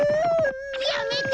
やめて！